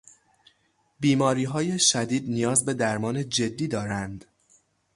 بیماریهای شدید نیاز به درمان جدی دارند